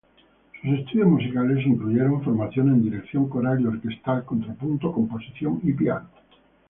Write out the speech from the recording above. Sus estudios musicales incluyeron formación en Dirección Coral y Orquestal, Contrapunto, Composición y Piano.